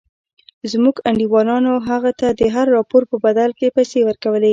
زموږ انډيوالانو هغه ته د هر راپور په بدل کښې پيسې ورکولې.